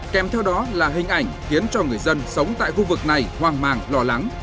kèm theo đó là hình ảnh khiến cho người dân sống tại khu vực này hoang mang lo lắng